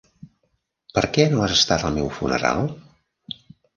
Per què no has estat al meu funeral?